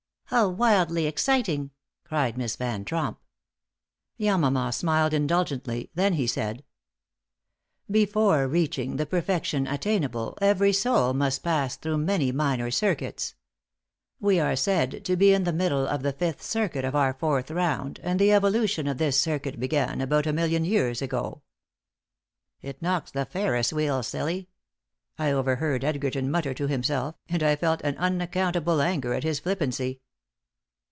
"How wildly exciting!" cried Miss Van Tromp. Yamama smiled, indulgently. Then he said: "Before reaching the perfection attainable, every soul must pass through many minor circuits. We are said to be in the middle of the fifth circuit of our fourth round, and the evolution of this circuit began about a million years ago." "It knocks the Ferris Wheel silly," I overheard Edgerton mutter to himself, and I felt an unaccountable anger at his flippancy.